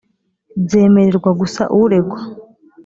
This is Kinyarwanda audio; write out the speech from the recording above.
byemererwa gusa uregwa